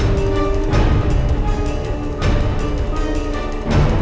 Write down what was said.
lu bakal menang